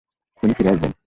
উনি ফিরে আসবেন।